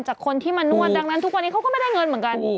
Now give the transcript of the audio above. จากคนที่มานวดดังนั้นทุกวันนี้เขาก็ไม่ได้เงินเหมือนกัน